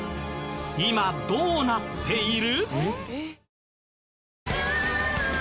今どうなっている？